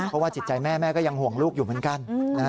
เพราะว่าจิตใจแม่แม่ก็ยังห่วงลูกอยู่เหมือนกัน